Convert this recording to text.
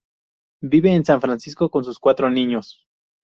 Viven en San Francisco con sus cuatro niños.